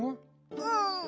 うん。